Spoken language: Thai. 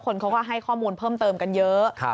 คนเขาก็ให้ข้อมูลเพิ่มเติมกันเยอะ